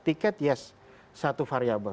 tiket yes satu variabel